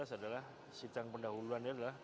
adalah sidang pendahuluan